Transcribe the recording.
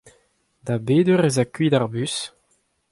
Da bet eur ez a kuit ar bus ?